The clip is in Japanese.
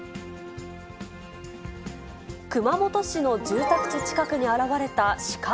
熊本市の住宅地近くに現れたシカ。